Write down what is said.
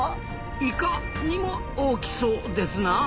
イカにも大きそうですなあ。